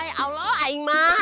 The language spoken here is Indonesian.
ya allah aingmah